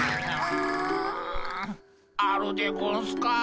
あるでゴンスか？